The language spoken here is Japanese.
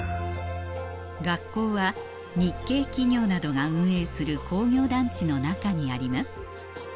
学校は日系企業などが運営する工業団地の中にあります